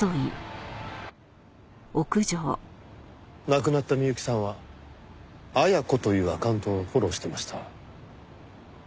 亡くなった美由紀さんは「Ａｙａｋｏ」というアカウントをフォローしてました。